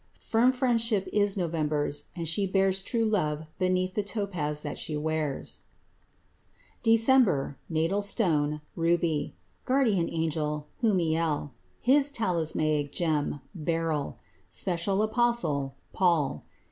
Firm friendship is November's, and she bears True love beneath the topaz that she wears. DECEMBER Natal stone Ruby. Guardian angel Humiel. His talismanic gem Beryl. Special apostle Paul.